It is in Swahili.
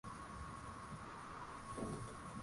umbali wa Kilometa sitini na tano